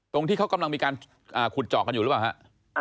ตรงที่เขากำลังมีการขุดเจาะกันอยู่หรือเปล่าฮะ